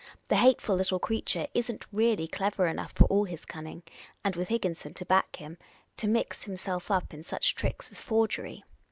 The hateful little creature is n't really clever enough, for all his cunning, — and with Higginson to back him, — to mix himself up in such tricks as forgery.